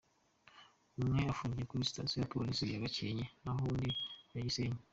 Umwe afungiwe kuri Sitasiyo ya Polisi ya Gakenke naho undi ari ku ya Gisenyi.